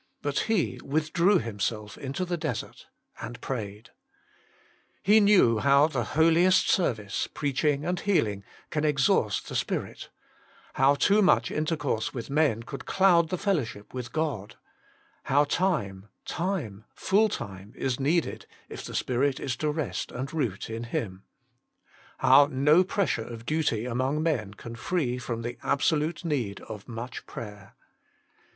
But He withdrew Himself into the desert, and prayed" He knew how the holiest service, preaching and healing, can exhaust the spirit ; how too much intercourse with men could cloud the fellowship with God ; how time, time, full time, is needed if the spirit is to rest and root in Him ; how no pressure of duty among men can free from the absolute need of much prayer.